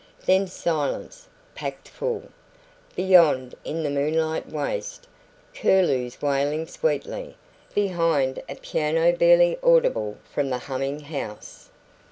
Then silence, packed full. Beyond, in the moonlit waste, curlews wailing sweetly; behind, a piano barely audible from the humming house....